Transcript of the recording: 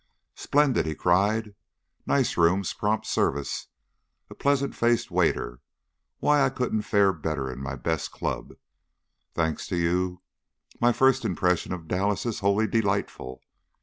"Splendid!" he cried. "Nice rooms, prompt service, a pleasant faced waiter. Why, I couldn't fare better in my best club. Thanks to you, my first impression of Dallas is wholly delightful."